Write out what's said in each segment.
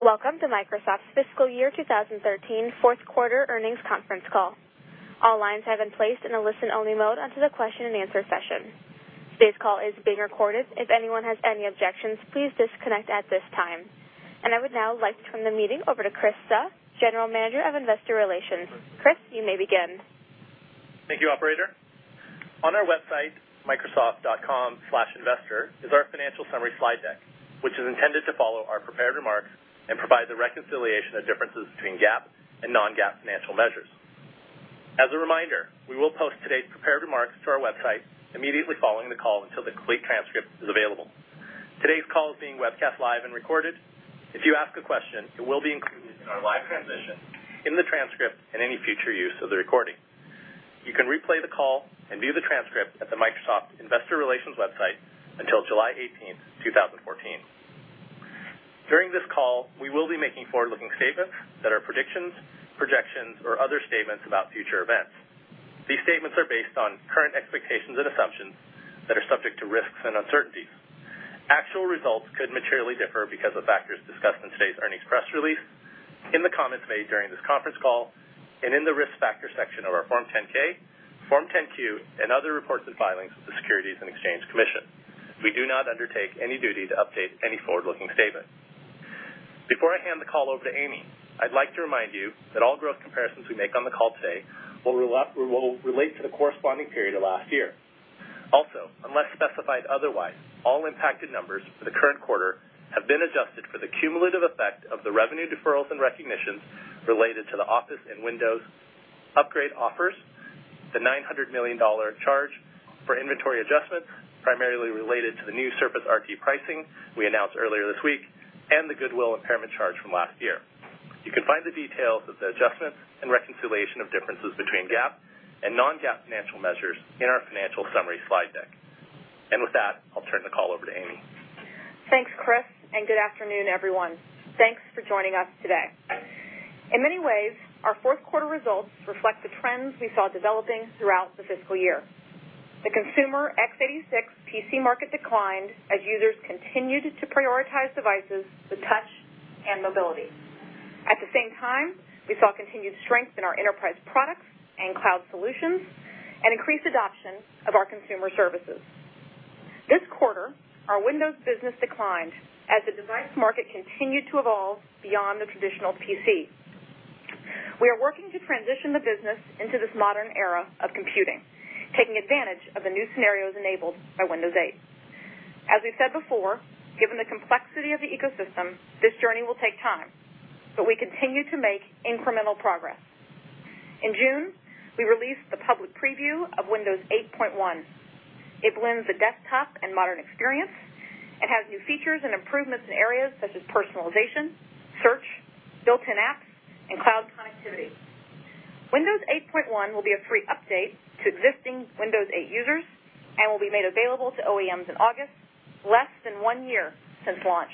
Welcome to Microsoft's fiscal year 2013 fourth quarter earnings conference call. All lines have been placed in a listen-only mode until the question and answer session. Today's call is being recorded. If anyone has any objections, please disconnect at this time. I would now like to turn the meeting over to Chris Suh, General Manager of Investor Relations. Chris, you may begin. Thank you, operator. On our website, microsoft.com/investor is our financial summary slide deck, which is intended to follow our prepared remarks and provide the reconciliation of differences between GAAP and non-GAAP financial measures. As a reminder, we will post today's prepared remarks to our website immediately following the call until the complete transcript is available. Today's call is being webcast live and recorded. If you ask a question, it will be included in our live transmission, in the transcript, and any future use of the recording. You can replay the call and view the transcript at the Microsoft Investor Relations website until July 18th, 2014. During this call, we will be making forward-looking statements that are predictions, projections, or other statements about future events. These statements are based on current expectations and assumptions that are subject to risks and uncertainties. Actual results could materially differ because of factors discussed in today's earnings press release, in the comments made during this conference call, and in the risk factor section of our Form 10-K, Form 10-Q, and other reports and filings with the Securities and Exchange Commission. We do not undertake any duty to update any forward-looking statement. Before I hand the call over to Amy, I'd like to remind you that all growth comparisons we make on the call today will relate to the corresponding period of last year. Unless specified otherwise, all impacted numbers for the current quarter have been adjusted for the cumulative effect of the revenue deferrals and recognitions related to the Office and Windows upgrade offers, the $900 million charge for inventory adjustments primarily related to the new Surface RT pricing we announced earlier this week, and the goodwill impairment charge from last year. You can find the details of the adjustments and reconciliation of differences between GAAP and non-GAAP financial measures in our financial summary slide deck. With that, I'll turn the call over to Amy. Thanks, Chris, and good afternoon, everyone. Thanks for joining us today. In many ways, our fourth quarter results reflect the trends we saw developing throughout the fiscal year. The consumer x86 PC market declined as users continued to prioritize devices with touch and mobility. At the same time, we saw continued strength in our enterprise products and cloud solutions and increased adoption of our consumer services. This quarter, our Windows business declined as the device market continued to evolve beyond the traditional PC. We are working to transition the business into this modern era of computing, taking advantage of the new scenarios enabled by Windows 8. As we've said before, given the complexity of the ecosystem, this journey will take time, but we continue to make incremental progress. In June, we released the public preview of Windows 8.1. It blends the desktop and modern experience. It has new features and improvements in areas such as personalization, search, built-in apps, and cloud connectivity. Windows 8.1 will be a free update to existing Windows 8 users and will be made available to OEMs in August, less than one year since launch.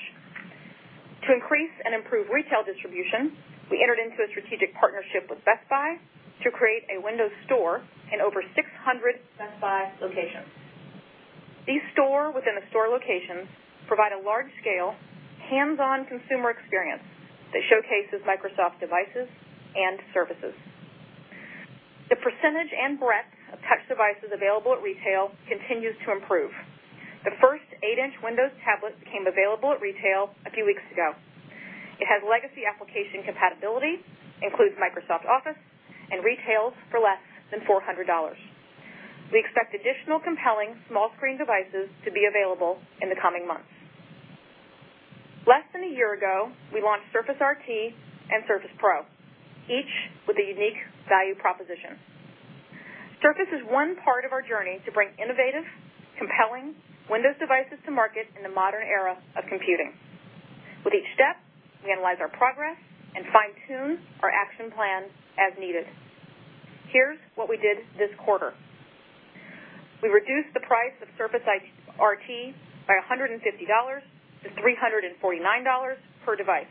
To increase and improve retail distribution, we entered into a strategic partnership with Best Buy to create a Windows Store in over 600 Best Buy locations. These store-within-a-store locations provide a large scale, hands-on consumer experience that showcases Microsoft devices and services. The percentage and breadth of touch devices available at retail continues to improve. The first eight-inch Windows tablet became available at retail a few weeks ago. It has legacy application compatibility, includes Microsoft Office, and retails for less than $400. We expect additional compelling small screen devices to be available in the coming months. Less than a year ago, we launched Surface RT and Surface Pro, each with a unique value proposition. Surface is one part of our journey to bring innovative, compelling Windows devices to market in the modern era of computing. With each step, we analyze our progress and fine-tune our action plan as needed. Here's what we did this quarter. We reduced the price of Surface RT by $150 to $349 per device.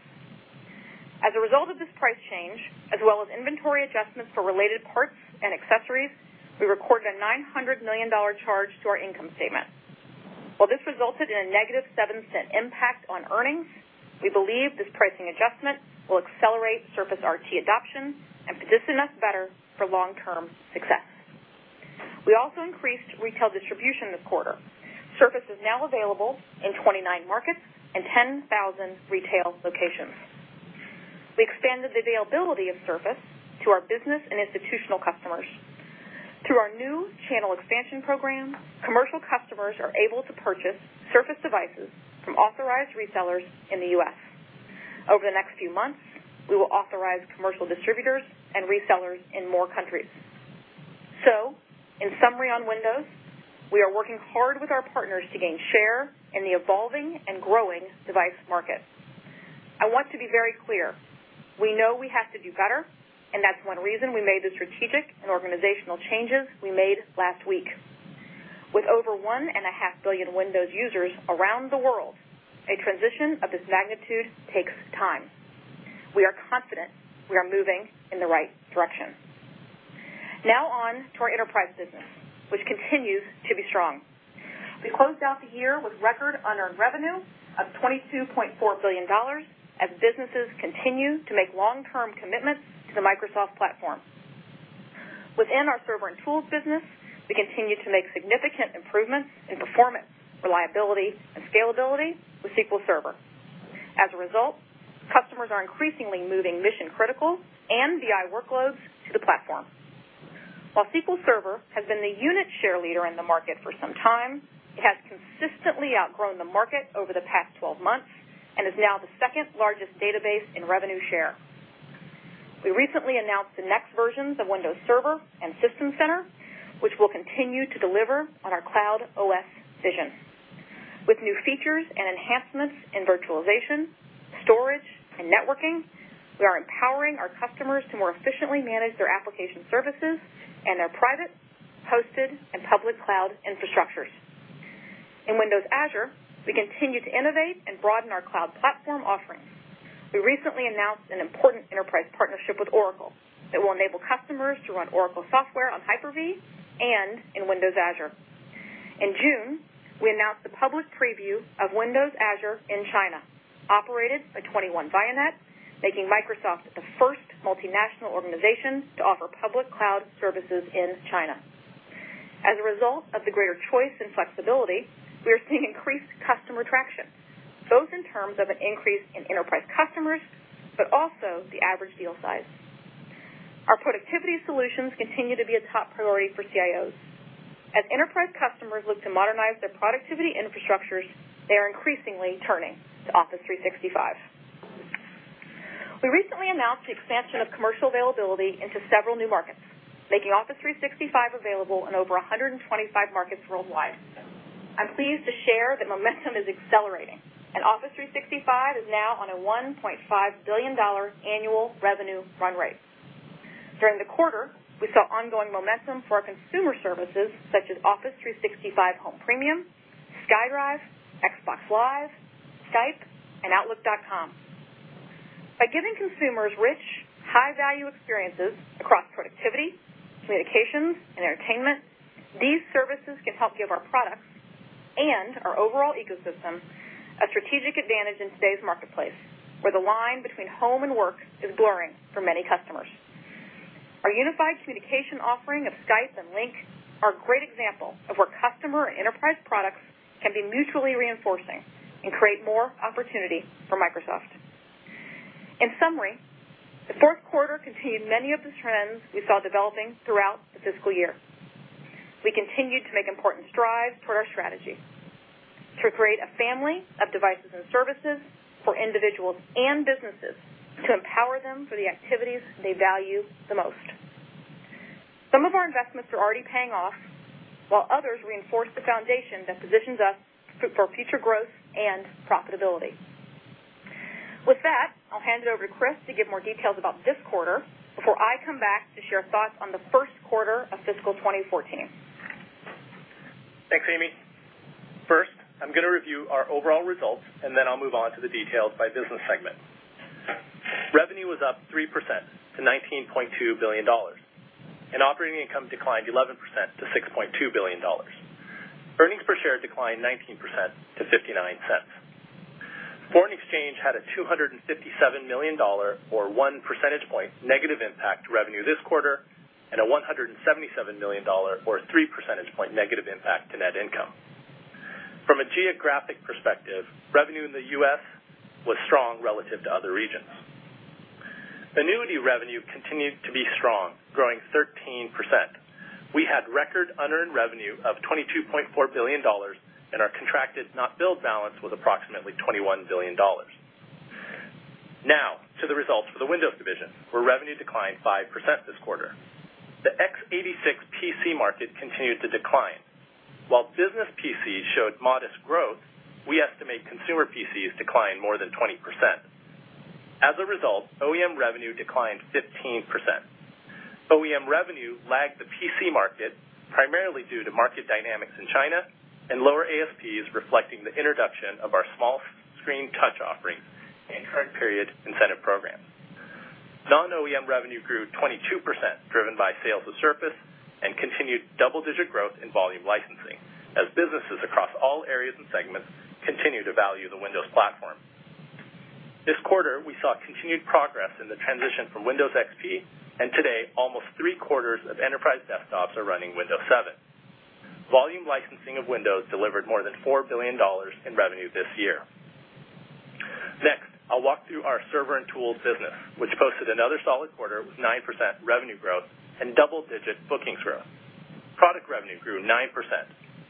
As a result of this price change, as well as inventory adjustments for related parts and accessories, we recorded a $900 million charge to our income statement. While this resulted in a negative 7% impact on earnings, we believe this pricing adjustment will accelerate Surface RT adoption and position us better for long-term success. We also increased retail distribution this quarter. Surface is now available in 29 markets and 10,000 retail locations. We expanded the availability of Surface to our business and institutional customers. Through our new channel expansion program, commercial customers are able to purchase Surface devices from authorized resellers in the U.S. Over the next few months, we will authorize commercial distributors and resellers in more countries. In summary on Windows, we are working hard with our partners to gain share in the evolving and growing device market. I want to be very clear. We know we have to do better, and that's one reason we made the strategic and organizational changes we made last week. With over 1.5 billion Windows users around the world, a transition of this magnitude takes time. We are confident we are moving in the right direction. Now on to our enterprise business, which continues to be strong. We closed out the year with record unearned revenue of $22.4 billion as businesses continue to make long-term commitments to the Microsoft platform. Within our server and tools business, we continue to make significant improvements in performance, reliability, and scalability with SQL Server. As a result, customers are increasingly moving mission-critical and BI workloads to the platform. While SQL Server has been the unit share leader in the market for some time, it has consistently outgrown the market over the past 12 months and is now the second-largest database in revenue share. We recently announced the next versions of Windows Server and System Center, which will continue to deliver on our cloud OS vision. With new features and enhancements in virtualization, storage, and networking, we are empowering our customers to more efficiently manage their application services and their private, hosted, and public cloud infrastructures. In Windows Azure, we continue to innovate and broaden our cloud platform offerings. We recently announced an important enterprise partnership with Oracle that will enable customers to run Oracle software on Hyper-V and in Windows Azure. In June, we announced the public preview of Windows Azure in China, operated by 21Vianet, making Microsoft the first multinational organization to offer public cloud services in China. As a result of the greater choice and flexibility, we are seeing increased customer traction, both in terms of an increase in enterprise customers, but also the average deal size. Our productivity solutions continue to be a top priority for CIOs. As enterprise customers look to modernize their productivity infrastructures, they are increasingly turning to Office 365. We recently announced the expansion of commercial availability into several new markets, making Office 365 available in over 125 markets worldwide. I'm pleased to share that momentum is accelerating, Office 365 is now on a $1.5 billion annual revenue run rate. During the quarter, we saw ongoing momentum for our consumer services such as Office 365 Home Premium, SkyDrive, Xbox Live, Skype, and outlook.com. By giving consumers rich, high-value experiences across productivity, communications, and entertainment, these services can help give our products and our overall ecosystem a strategic advantage in today's marketplace, where the line between home and work is blurring for many customers. Our unified communication offering of Skype and Lync are a great example of where customer and enterprise products can be mutually reinforcing and create more opportunity for Microsoft. In summary, the fourth quarter contained many of the trends we saw developing throughout the fiscal year. We continued to make important strides toward our strategy to create a family of devices and services for individuals and businesses to empower them for the activities they value the most. Some of our investments are already paying off, while others reinforce the foundation that positions us for future growth and profitability. With that, I'll hand it over to Chris to give more details about this quarter before I come back to share thoughts on the first quarter of fiscal 2014. Thanks, Amy. First, I'm going to review our overall results, and then I'll move on to the details by business segment. Revenue was up 3% to $19.2 billion, and operating income declined 11% to $6.2 billion. Earnings per share declined 19% to $0.59. Foreign exchange had a $257 million, or one percentage point, negative impact to revenue this quarter and a $177 million, or three percentage point, negative impact to net income. From a geographic perspective, revenue in the U.S. was strong relative to other regions. Annuity revenue continued to be strong, growing 13%. We had record unearned revenue of $22.4 billion, and our contracted not billed balance was approximately $21 billion. Now to the results for the Windows division, where revenue declined 5% this quarter. The x86 PC market continued to decline. While business PCs showed modest growth, we estimate consumer PCs declined more than 20%. As a result, OEM revenue declined 15%. OEM revenue lagged the PC market primarily due to market dynamics in China and lower ASPs reflecting the introduction of our small-screen touch offerings and current period incentive programs. Non-OEM revenue grew 22%, driven by sales of Surface and continued double-digit growth in volume licensing as businesses across all areas and segments continue to value the Windows platform. This quarter, we saw continued progress in the transition from Windows XP, and today, almost three-quarters of enterprise desktops are running Windows 7. Volume licensing of Windows delivered more than $4 billion in revenue this year. Next, I'll walk through our server and tools business, which posted another solid quarter with 9% revenue growth and double-digit bookings growth. Product revenue grew 9%,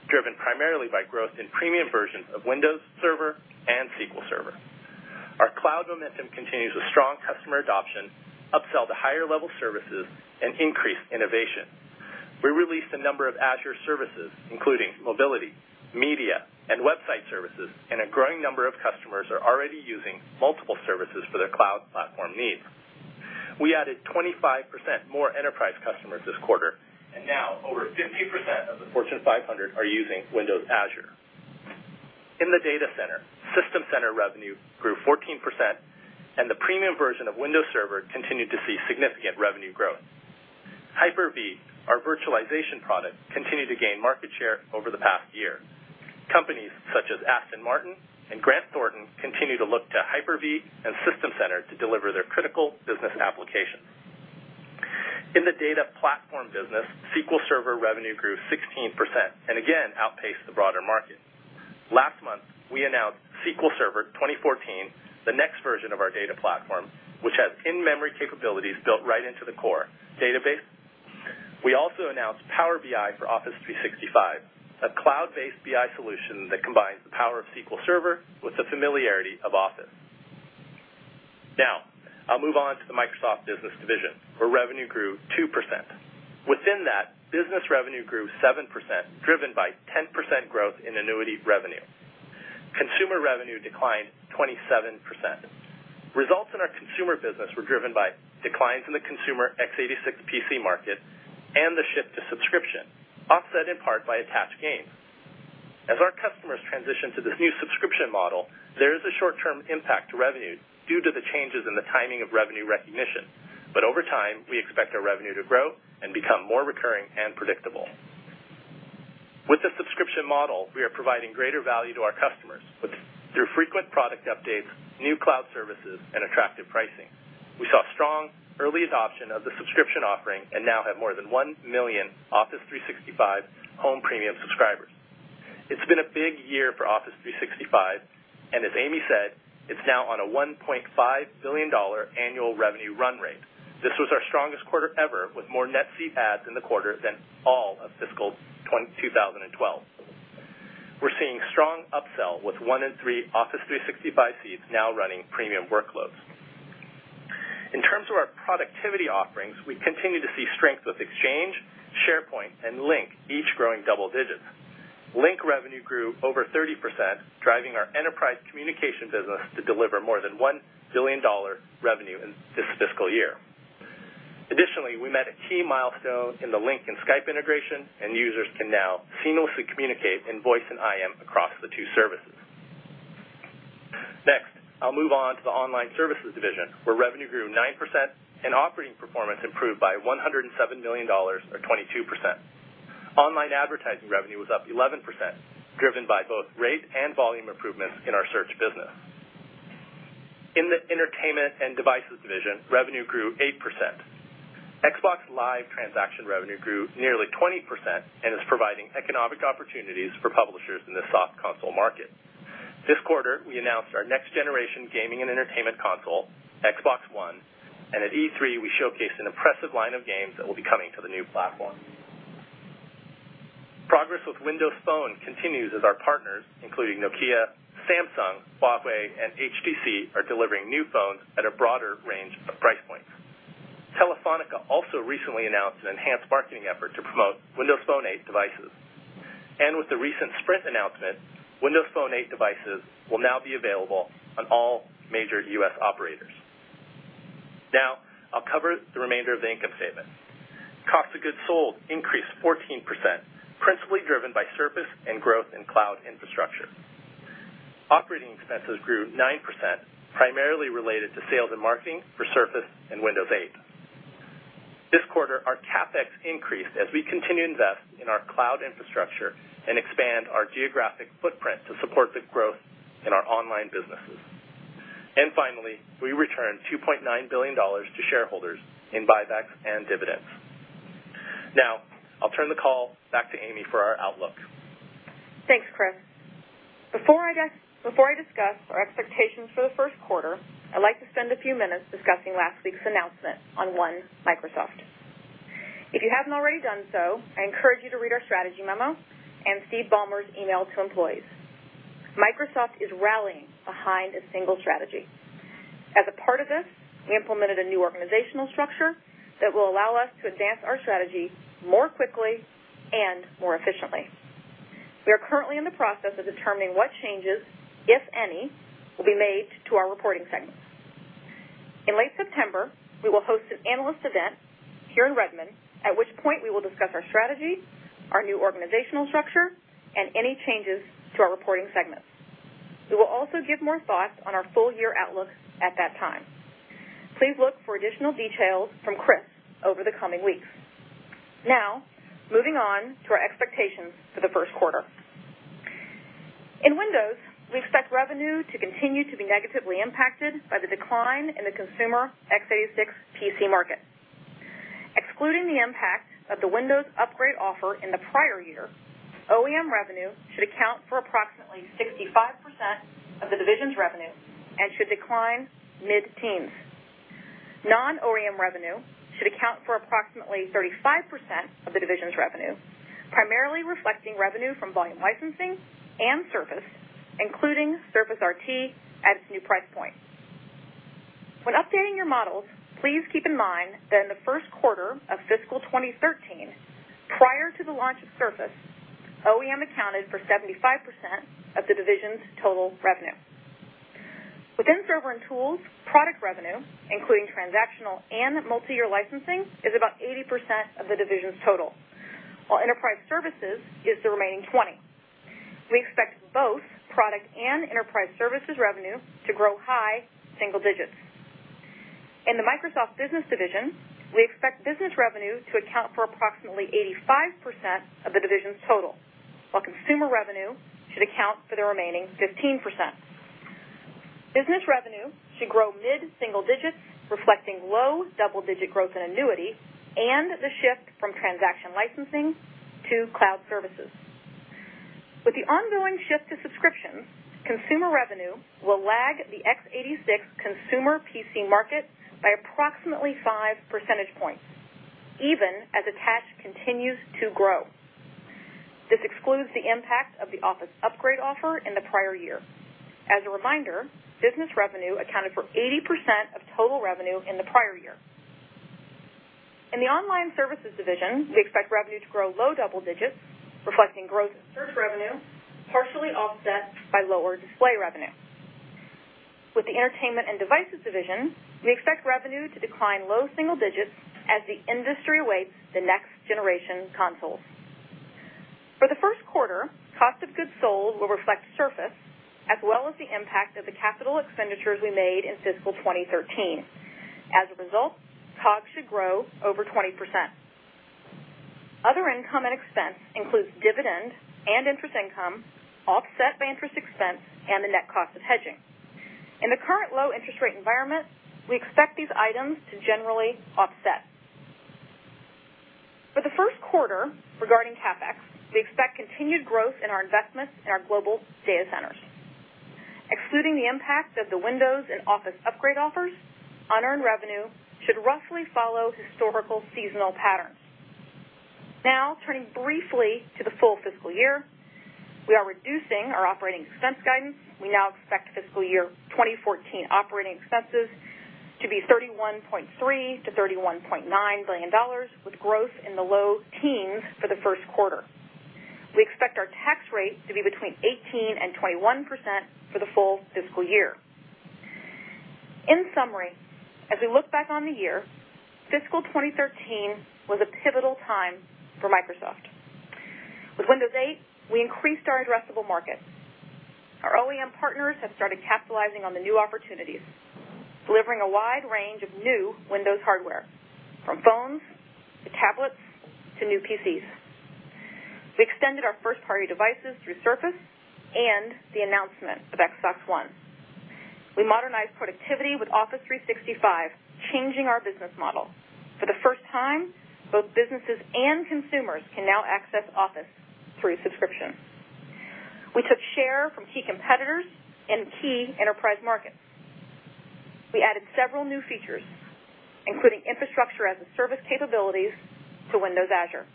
driven primarily by growth in premium versions of Windows Server and SQL Server. Our cloud momentum continues with strong customer adoption, upsell to higher-level services, and increased innovation. We released a number of Azure services, including mobility, media, and website services, and a growing number of customers are already using multiple services for their cloud platform needs. We added 25% more enterprise customers this quarter, and now over 50% of the Fortune 500 are using Windows Azure. In the data center, System Center revenue grew 14%, and the premium version of Windows Server continued to see significant revenue growth. Hyper-V, our virtualization product, continued to gain market share over the past year. Companies such as Aston Martin and Grant Thornton continue to look to Hyper-V and System Center to deliver their critical business applications. In the data platform business, SQL Server revenue grew 16% and again outpaced the broader market. Last month, we announced SQL Server 2014, the next version of our data platform, which has in-memory capabilities built right into the core database. We also announced Power BI for Office 365, a cloud-based BI solution that combines the power of SQL Server with the familiarity of Office. Now, I'll move on to the Microsoft Business Division, where revenue grew 2%. Within that, business revenue grew 7%, driven by 10% growth in annuity revenue. Consumer revenue declined 27%. Results in our consumer business were driven by declines in the consumer x86 PC market and the shift to subscription, offset in part by attached gains. As our customers transition to this new subscription model, there is a short-term impact to revenue due to the changes in the timing of revenue recognition. Over time, we expect our revenue to grow and become more recurring and predictable. With the subscription model, we are providing greater value to our customers through frequent product updates, new cloud services, and attractive pricing. We saw strong early adoption of the subscription offering and now have more than 1 million Office 365 Home Premium subscribers. It's been a big year for Office 365, and as Amy said, it's now on a $1.5 billion annual revenue run rate. This was our strongest quarter ever, with more net seat adds in the quarter than all of fiscal 2012. We're seeing strong upsell with one in three Office 365 seats now running premium workloads. In terms of our productivity offerings, we continue to see strength with Exchange, SharePoint, and Lync, each growing double digits. Lync revenue grew over 30%, driving our enterprise communication business to deliver more than $1 billion revenue in this fiscal year. Additionally, we met a key milestone in the Lync and Skype integration, and users can now seamlessly communicate in voice and IM across the two services. Next, I'll move on to the Online Services Division, where revenue grew 9% and operating performance improved by $107 million, or 22%. Online advertising revenue was up 11%, driven by both rate and volume improvements in our search business. In the Entertainment and Devices Division, revenue grew 8%. Xbox Live transaction revenue grew nearly 20% and is providing economic opportunities for publishers in the soft console market. This quarter, we announced our next generation gaming and entertainment console, Xbox One, and at E3, we showcased an impressive line of games that will be coming to the new platform. Progress with Windows Phone continues as our partners, including Nokia, Samsung, Huawei, and HTC, are delivering new phones at a broader range of price points. Telefónica also recently announced an enhanced marketing effort to promote Windows Phone 8 devices. With the recent Sprint announcement, Windows Phone 8 devices will now be available on all major U.S. operators. Now, I'll cover the remainder of the income statement. Cost of goods sold increased 14%, principally driven by Surface and growth in cloud infrastructure. Operating expenses grew 9%, primarily related to sales and marketing for Surface and Windows 8. This quarter, our CapEx increased as we continue to invest in our cloud infrastructure and expand our geographic footprint to support the growth in our online businesses. Finally, we returned $2.9 billion to shareholders in buybacks and dividends. Now, I'll turn the call back to Amy for our outlook. Thanks, Chris. Before I discuss our expectations for the first quarter, I'd like to spend a few minutes discussing last week's announcement on One Microsoft. If you haven't already done so, I encourage you to read our strategy memo and see Ballmer's email to employees. Microsoft is rallying behind a single strategy. As a part of this, we implemented a new organizational structure that will allow us to advance our strategy more quickly and more efficiently. We are currently in the process of determining what changes, if any, will be made to our reporting segments. In late September, we will host an analyst event here in Redmond, at which point we will discuss our strategy, our new organizational structure, and any changes to our reporting segments. We will also give more thoughts on our full year outlook at that time. Please look for additional details from Chris over the coming weeks. Moving on to our expectations for the first quarter. In Windows, we expect revenue to continue to be negatively impacted by the decline in the consumer x86 PC market. Excluding the impact of the Windows upgrade offer in the prior year, OEM revenue should account for approximately 65% of the division's revenue and should decline mid-teens. Non-OEM revenue should account for approximately 35% of the division's revenue, primarily reflecting revenue from volume licensing and Surface, including Surface RT at its new price point. When updating your models, please keep in mind that in the first quarter of fiscal 2013, prior to the launch of Surface, OEM accounted for 75% of the division's total revenue. Within server and tools, product revenue, including transactional and multiyear licensing, is about 80% of the division's total, while enterprise services is the remaining 20%. We expect both product and enterprise services revenue to grow high single digits. In the Microsoft Business Division, we expect business revenue to account for approximately 85% of the division's total, while consumer revenue should account for the remaining 15%. Business revenue should grow mid-single digits, reflecting low double-digit growth in annuity and the shift from transaction licensing to cloud services. With the ongoing shift to subscriptions, consumer revenue will lag the x86 consumer PC market by approximately five percentage points even as attached continues to grow. This excludes the impact of the Office upgrade offer in the prior year. As a reminder, business revenue accounted for 80% of total revenue in the prior year. In the Online Services Division, we expect revenue to grow low double digits, reflecting growth in search revenue, partially offset by lower display revenue. With the Entertainment and Devices Division, we expect revenue to decline low single digits as the industry awaits the next generation consoles. For the first quarter, cost of goods sold will reflect Surface, as well as the impact of the capital expenditures we made in fiscal 2013. As a result, COGS should grow over 20%. Other income and expense includes dividend and interest income, offset by interest expense and the net cost of hedging. In the current low-interest-rate environment, we expect these items to generally offset. For the first quarter, regarding CapEx, we expect continued growth in our investments in our global data centers. Excluding the impact of the Windows and Office upgrade offers, unearned revenue should roughly follow historical seasonal patterns. Turning briefly to the full fiscal year, we are reducing our operating expense guidance. We now expect fiscal year 2014 operating expenses to be $31.3 billion-$31.9 billion, with growth in the low teens for the first quarter. We expect our tax rate to be between 18% and 21% for the full fiscal year. In summary, as we look back on the year, fiscal 2013 was a pivotal time for Microsoft. With Windows 8, we increased our addressable market. Our OEM partners have started capitalizing on the new opportunities, delivering a wide range of new Windows hardware, from phones to tablets to new PCs. We extended our first-party devices through Surface and the announcement of Xbox One. We modernized productivity with Office 365, changing our business model. For the first time, both businesses and consumers can now access Office through subscription. We took share from key competitors in key enterprise markets. We added several new features, including Infrastructure as a Service capabilities to Windows Azure.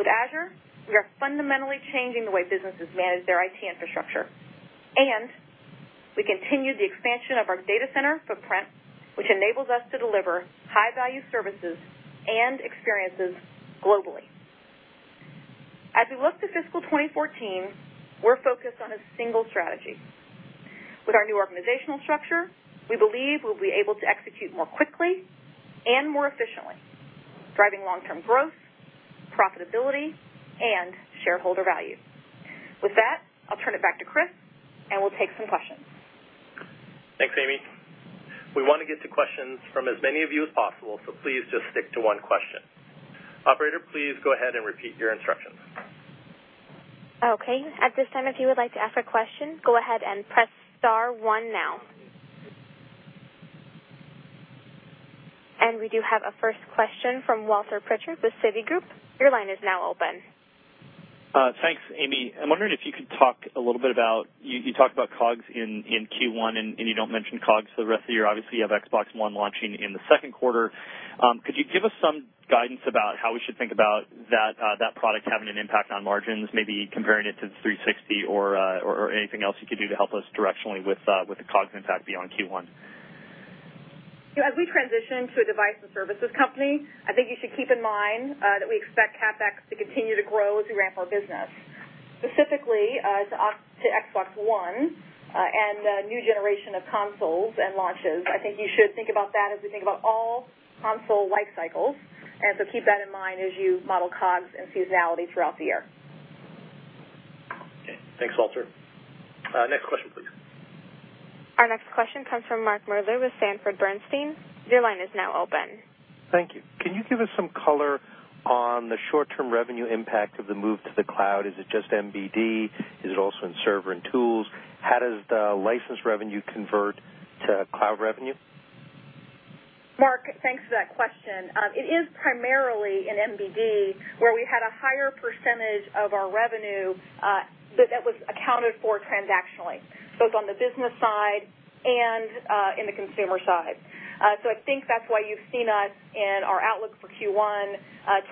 With Azure, we are fundamentally changing the way businesses manage their IT infrastructure and we continued the expansion of our data center footprint, which enables us to deliver high-value services and experiences globally. As we look to fiscal 2014, we're focused on a single strategy. With our new organizational structure, we believe we'll be able to execute more quickly and more efficiently, driving long-term growth, profitability, and shareholder value. With that, I'll turn it back to Chris, and we'll take some questions. Thanks, Amy. We want to get to questions from as many of you as possible, please just stick to one question. Operator, please go ahead and repeat your instructions. Okay. At this time, if you would like to ask a question, go ahead and press star one now. We do have a first question from Walter Pritchard with Citigroup. Your line is now open. Thanks, Amy. I'm wondering if you could talk a little bit about, you talked about COGS in Q1 and you don't mention COGS for the rest of the year. Obviously, you have Xbox One launching in the second quarter. Could you give us some guidance about how we should think about that product having an impact on margins, maybe comparing it to 360 or anything else you could do to help us directionally with the COGS impact beyond Q1? As we transition to a device and services company, I think you should keep in mind that we expect CapEx to continue to grow as we ramp our business. Specifically to Xbox One and a new generation of consoles and launches, I think you should think about that as we think about all console life cycles, and so keep that in mind as you model COGS and seasonality throughout the year. Okay. Thanks, Walter. Next question, please. Our next question comes from Mark Moerdler with Sanford Bernstein. Your line is now open. Thank you. Can you give us some color on the short-term revenue impact of the move to the cloud? Is it just MBD? Is it also in server and tools? How does the license revenue convert to cloud revenue? Mark, thanks for that question. It is primarily in MBD where we had a higher percentage of our revenue that was accounted for transactionally, both on the business side and in the consumer side. I think that's why you've seen us in our outlook for Q1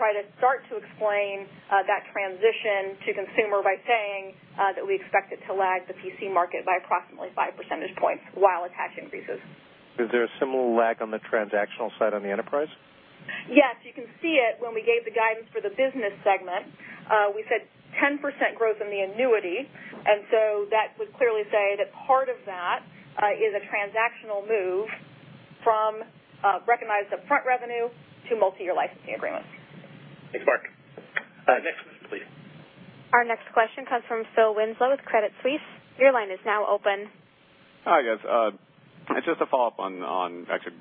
try to start to explain that transition to consumer by saying that we expect it to lag the PC market by approximately five percentage points while attach increases. Is there a similar lag on the transactional side on the enterprise? Yes, you can see it when we gave the guidance for the business segment. We said 10% growth in the annuity. That would clearly say that part of that is a transactional move from recognized upfront revenue to multi-year licensing agreements. Thanks, Mark. Next, please. Our next question comes from Phil Winslow with Credit Suisse. Your line is now open. Hi, guys. Just a follow-up on actually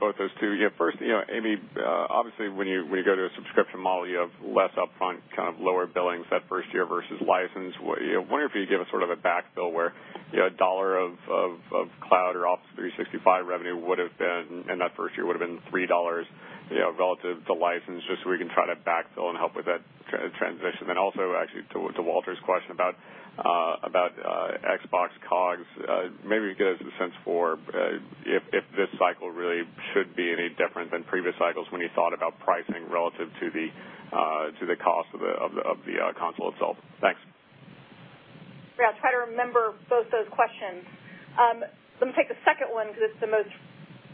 both those two. First, Amy, obviously, when you go to a subscription model, you have less upfront kind of lower billings that first year versus license. I wonder if you could give us sort of a backfill where a $1 of cloud or Office 365 revenue would've been in that first year would've been $3 relative to license, just so we can try to backfill and help with that transition. Also, actually, to Walter's question about Xbox COGS, maybe you could give us a sense for if this cycle really should be any different than previous cycles when you thought about pricing relative to the cost of the console itself. Thanks. Yeah, I'll try to remember both those questions. Let me take the second one because it's the most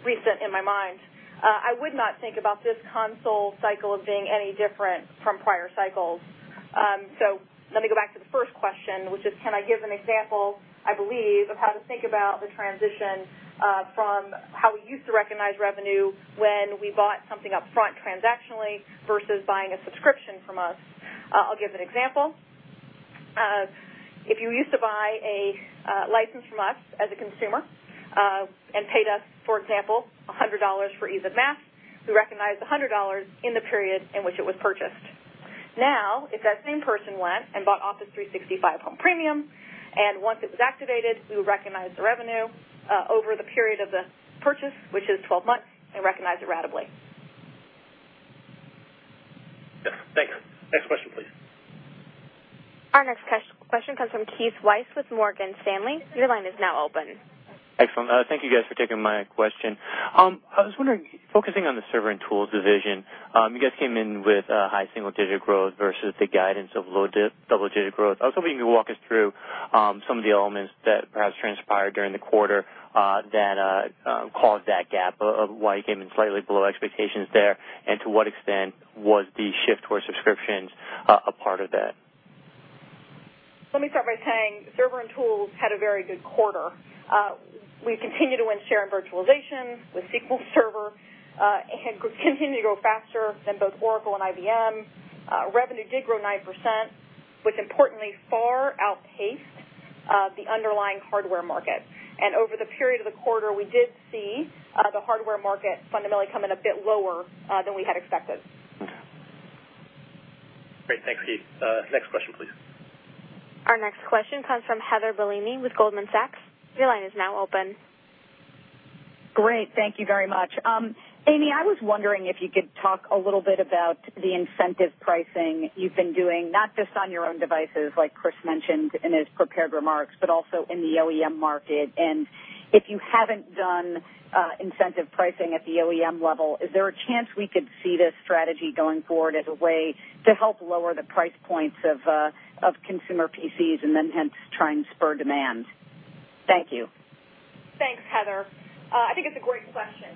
recent in my mind. I would not think about this console cycle as being any different from prior cycles. Let me go back to the first question, which is can I give an example, I believe, of how to think about the transition from how we used to recognize revenue when we bought something upfront transactionally versus buying a subscription from us. I'll give an example. If you used to buy a license from us as a consumer and paid us, for example, $100 for ease of math, we recognized the $100 in the period in which it was purchased. Now, if that same person went and bought Office 365 Home Premium, and once it was activated, we would recognize the revenue over the period of the purchase, which is 12 months, and recognize it ratably. Yes. Thanks. Next question, please. Our next question comes from Keith Weiss with Morgan Stanley. Your line is now open. Excellent. Thank you guys for taking my question. I was wondering, focusing on the server and tools division, you guys came in with a high single-digit growth versus the guidance of low double-digit growth. I was hoping you could walk us through some of the elements that perhaps transpired during the quarter that caused that gap of why you came in slightly below expectations there, and to what extent was the shift toward subscriptions a part of that? Let me start by saying server and tools had a very good quarter. We continue to win share in virtualization with SQL Server and continue to grow faster than both Oracle and IBM. Revenue did grow 9%, which importantly far outpaced the underlying hardware market. Over the period of the quarter, we did see the hardware market fundamentally come in a bit lower than we had expected. Okay. Great. Thanks, Keith. Next question, please. Our next question comes from Heather Bellini with Goldman Sachs. Your line is now open. Great. Thank you very much. Amy, I was wondering if you could talk a little bit about the incentive pricing you've been doing, not just on your own devices like Chris mentioned in his prepared remarks, but also in the OEM market. If you haven't done incentive pricing at the OEM level, is there a chance we could see this strategy going forward as a way to help lower the price points of consumer PCs and then hence try and spur demand? Thank you. Thanks, Heather. I think it's a great question.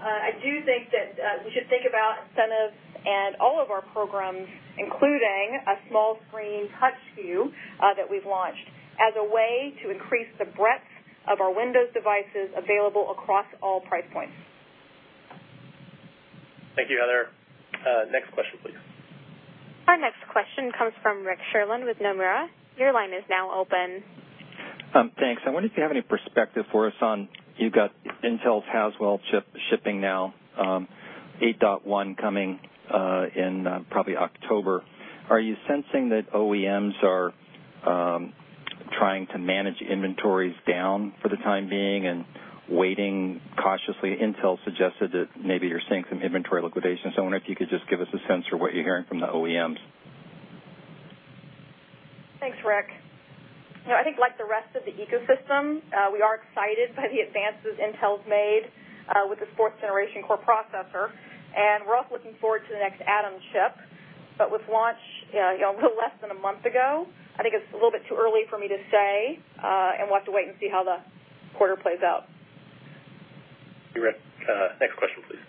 I do think that we should think about incentives and all of our programs, including a small screen touch SKU that we've launched as a way to increase the breadth of our Windows devices available across all price points. Thank you, Heather. Next question, please. Our next question comes from Rick Sherlund with Nomura. Your line is now open. Thanks. I wonder if you have any perspective for us on, you've got Intel's Haswell chip shipping now, 8.1 coming in probably October. Are you sensing that OEMs are trying to manage inventories down for the time being and waiting cautiously? Intel suggested that maybe you're seeing some inventory liquidations. I wonder if you could just give us a sense for what you're hearing from the OEMs. Thanks, Rick. I think like the rest of the ecosystem, we are excited by the advances Intel's made with the fourth generation core processor, and we're also looking forward to the next Atom chip. With launch a little less than a month ago, I think it's a little bit too early for me to say, and we'll have to wait and see how the quarter plays out. Thank you, Rick. Next question, please.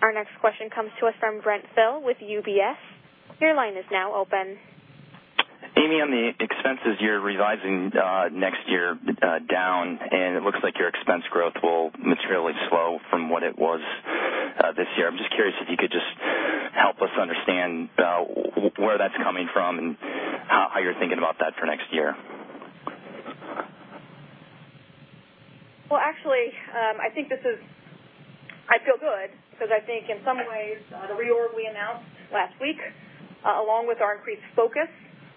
Our next question comes to us from Brent Thill with UBS. Your line is now open. Amy, on the expenses, you're revising next year down. It looks like your expense growth will materially slow from what it was this year. I'm just curious if you could just help us understand where that's coming from and how you're thinking about that for next year. Well, actually, I feel good because I think in some ways, the reorg we announced last week along with our increased focus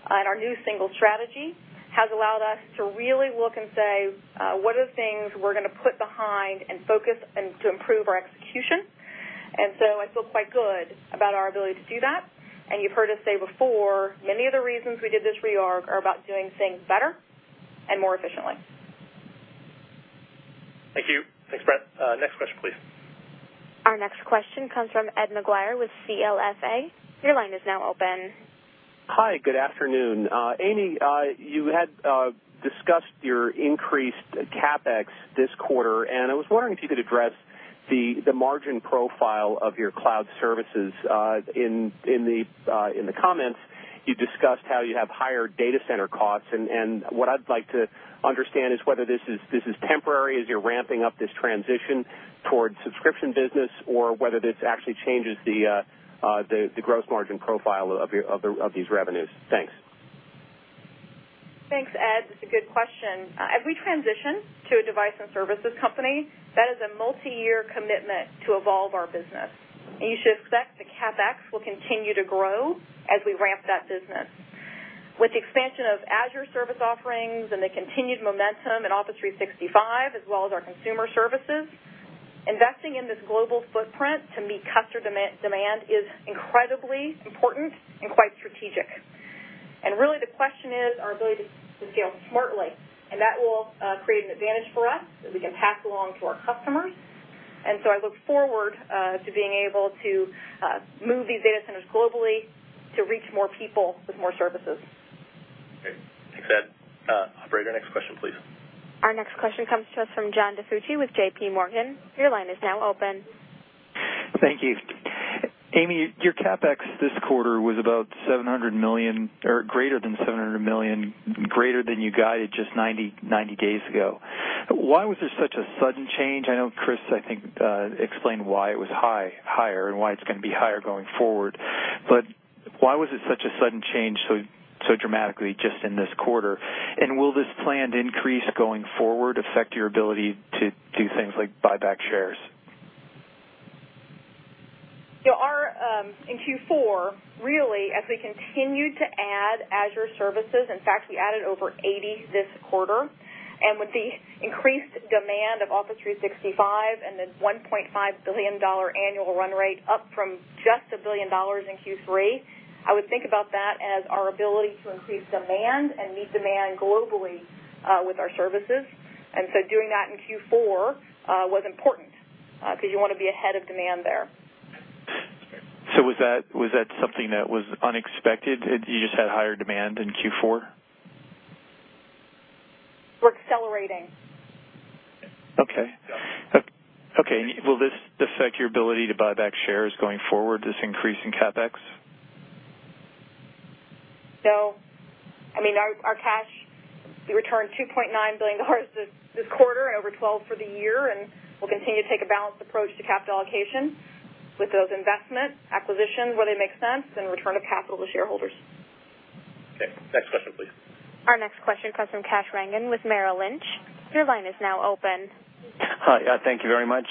and our new single strategy has allowed us to really look and say what are the things we're going to put behind and focus and to improve our execution. So I feel quite good about our ability to do that. You've heard us say before, many of the reasons we did this reorg are about doing things better and more efficiently. Thank you. Thanks, Brent. Next question, please. Our next question comes from Ed Maguire with CLSA. Your line is now open. Hi, good afternoon. Amy, you had discussed your increased CapEx this quarter. I was wondering if you could address the margin profile of your cloud services. In the comments, you discussed how you have higher data center costs. What I'd like to understand is whether this is temporary as you're ramping up this transition towards subscription business or whether this actually changes the gross margin profile of these revenues. Thanks. Thanks, Ed. That's a good question. As we transition to a device and services company, that is a multi-year commitment to evolve our business. You should expect the CapEx will continue to grow as we ramp that business. With the expansion of Azure service offerings and the continued momentum in Office 365, as well as our consumer services, investing in this global footprint to meet customer demand is incredibly important and quite strategic. Really the question is our ability to scale smartly, and that will create an advantage for us that we can pass along to our customers. I look forward to being able to move these data centers globally to reach more people with more services. Okay. Thanks, Ed. Operator, next question, please. Our next question comes to us from John DiFucci with JPMorgan. Your line is now open. Thank you. Amy, your CapEx this quarter was about greater than $700 million, greater than you guided just 90 days ago. Why was there such a sudden change? I know Chris, I think, explained why it was higher and why it is going to be higher going forward. Why was it such a sudden change so dramatically just in this quarter? Will this planned increase going forward affect your ability to do things like buy back shares? In Q4, really, as we continued to add Azure services, in fact, we added over 80 this quarter. With the increased demand of Office 365 and the $1.5 billion annual run rate up from just a billion dollars in Q3, I would think about that as our ability to increase demand and meet demand globally with our services. Doing that in Q4 was important because you want to be ahead of demand there. Was that something that was unexpected? You just had higher demand in Q4? We're accelerating. Okay. Will this affect your ability to buy back shares going forward, this increase in CapEx? No. Our cash, we returned $2.9 billion this quarter over $12 billion for the year, we'll continue to take a balanced approach to capital allocation with those investments, acquisitions where they make sense, and return of capital to shareholders. Okay. Next question, please. Our next question comes from Kash Rangan with Merrill Lynch. Your line is now open. Hi. Thank you very much.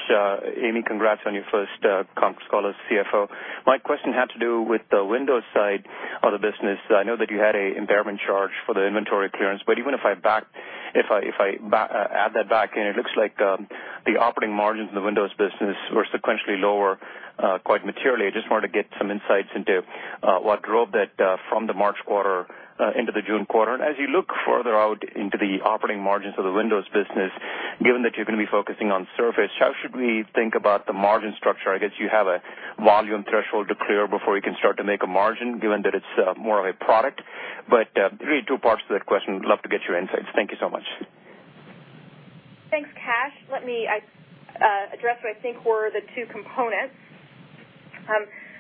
Amy, congrats on your first conference call as CFO. My question had to do with the Windows side of the business. I know that you had an impairment charge for the inventory clearance, but even if I add that back in, it looks like the operating margins in the Windows business were sequentially lower quite materially. I just wanted to get some insights into what drove that from the March quarter into the June quarter. As you look further out into the operating margins of the Windows business, given that you're going to be focusing on Surface, how should we think about the margin structure? I guess you have a volume threshold to clear before you can start to make a margin, given that it's more of a product. Really two parts to that question. Would love to get your insights. Thank you so much. Thanks, Kash. Let me address what I think were the two components.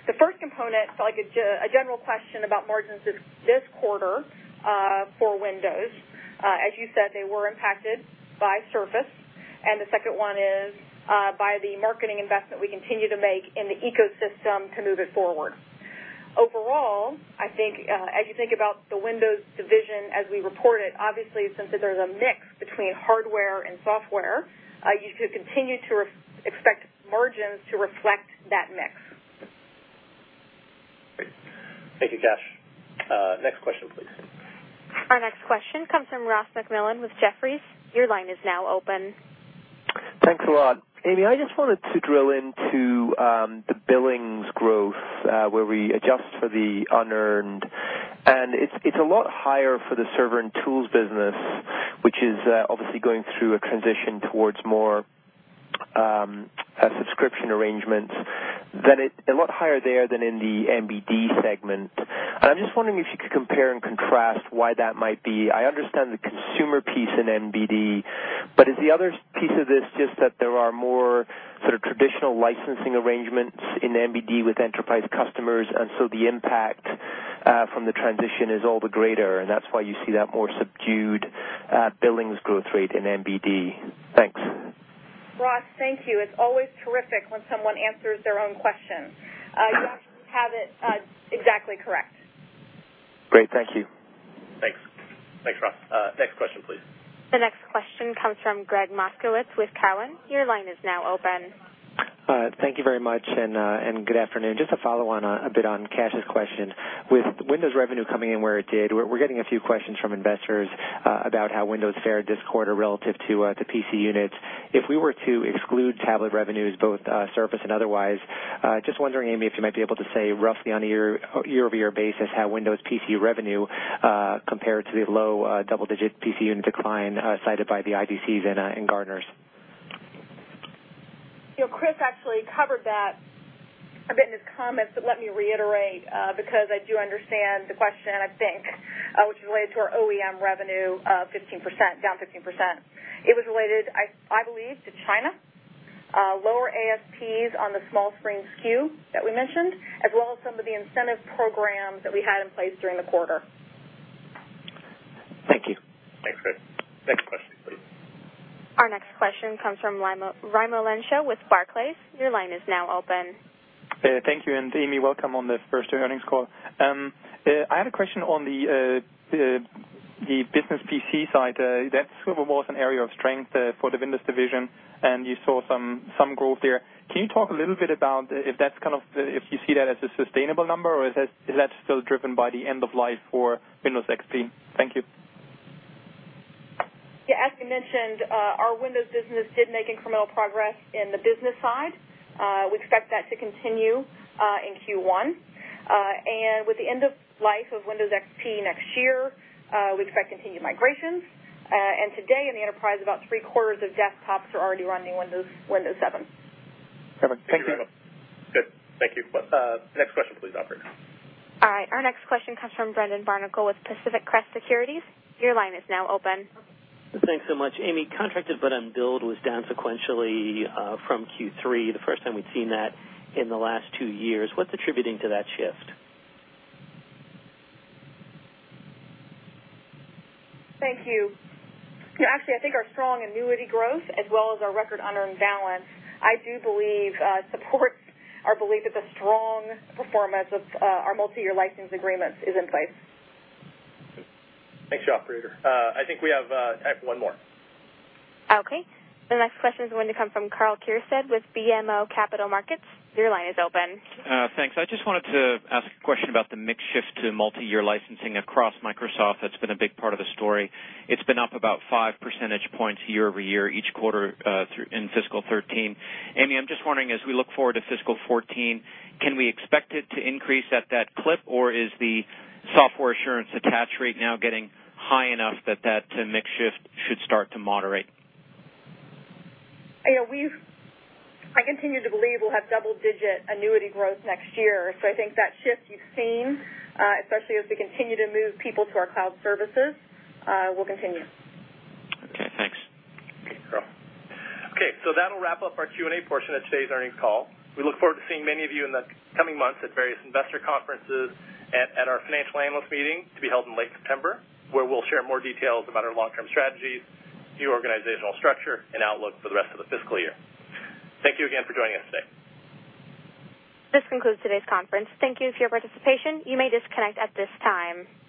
The first component, a general question about margins this quarter for Windows. As you said, they were impacted by Surface, and the second one is by the marketing investment we continue to make in the ecosystem to move it forward. Overall, as you think about the Windows division as we report it, obviously, since there's a mix between hardware and software, you should continue to expect margins to reflect that mix. Great. Thank you, Kash. Next question, please. Our next question comes from Ross MacMillan with Jefferies. Your line is now open. Thanks a lot. Amy, I just wanted to drill into the billings growth where we adjust for the unearned, it's a lot higher for the Server and Tools Business, which is obviously going through a transition towards more subscription arrangements, a lot higher there than in the MBD segment. I'm just wondering if you could compare and contrast why that might be. I understand the consumer piece in MBD, but is the other piece of this just that there are more sort of traditional licensing arrangements in MBD with enterprise customers, the impact from the transition is all the greater, and that's why you see that more subdued billings growth rate in MBD? Thanks. Ross, thank you. It's always terrific when someone answers their own question. You actually have it exactly correct. Great. Thank you. Thanks. Thanks, Ross. Next question, please. The next question comes from Gregg Moskowitz with Cowen. Your line is now open. Thank you very much, and good afternoon. Just to follow on a bit on Kash's question. With Windows revenue coming in where it did, we are getting a few questions from investors about how Windows fared this quarter relative to the PC units. If we were to exclude tablet revenues, both Surface and otherwise, just wondering, Amy, if you might be able to say roughly on a year-over-year basis how Windows PC revenue compared to the low double-digit PC unit decline cited by the IDC and Gartner. Chris actually covered that a bit in his comments, let me reiterate because I do understand the question, I think, which is related to our OEM revenue down 15%. It was related, I believe, to China, lower ASPs on the small screen SKU that we mentioned, as well as some of the incentive programs that we had in place during the quarter. Thank you. Thanks, Chris. Next question, please. Our next question comes from Raimo Lenschow with Barclays. Your line is now open. Thank you, Amy, welcome on the first earnings call. I had a question on the business PC side. That sort of was an area of strength for the Windows division, and you saw some growth there. Can you talk a little bit about if you see that as a sustainable number, or is that still driven by the end of life for Windows XP? Thank you. As we mentioned, our Windows business did make incremental progress in the business side. We expect that to continue in Q1. With the end of life of Windows XP next year, we expect continued migrations. Today in the enterprise, about three-quarters of desktops are already running Windows 7. Thank you. Good. Thank you. Next question, please, operator. All right. Our next question comes from Brendan Barnicle with Pacific Crest Securities. Your line is now open. Thanks so much, Amy. Contracted but unbilled was down sequentially from Q3, the first time we'd seen that in the last two years. What's attributing to that shift? Thank you. Actually, I think our strong annuity growth as well as our record unearned balance, I do believe, supports our belief that the strong performance of our multiyear license agreements is in place. Thanks. Thanks, operator. I think we have time for one more. Okay. The next question is going to come from Karl Keirstead with BMO Capital Markets. Your line is open. Thanks. I just wanted to ask a question about the mix shift to multiyear licensing across Microsoft. That's been a big part of the story. It's been up about five percentage points year-over-year, each quarter in fiscal 2013. Amy, I'm just wondering, as we look forward to fiscal 2014, can we expect it to increase at that clip, or is the software assurance attach rate now getting high enough that that mix shift should start to moderate? I continue to believe we'll have double-digit annuity growth next year. I think that shift you've seen, especially as we continue to move people to our cloud services will continue. Okay, thanks. Okay, Karl. Okay, that'll wrap up our Q&A portion of today's earnings call. We look forward to seeing many of you in the coming months at various investor conferences and at our Financial Analyst Meeting to be held in late September, where we'll share more details about our long-term strategies, new organizational structure, and outlook for the rest of the fiscal year. Thank you again for joining us today. This concludes today's conference. Thank you for your participation. You may disconnect at this time.